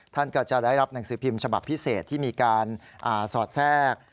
ท่านก็จะได้รับหนังสือพิมพ์ฉบับพิเศษที่มีการสอดแทรก